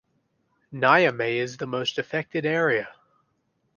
Niamey is the most affected area.